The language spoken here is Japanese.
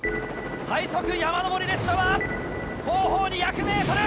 最速山登り列車は後方２００ｍ。